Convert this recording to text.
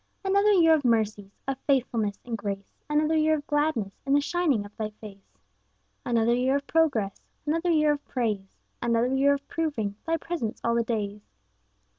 Another year of mercies, Of faithfulness and grace; Another year of gladness In the shining of Thy face. Another year of progress, Another year of praise; Another year of proving Thy presence 'all the days.'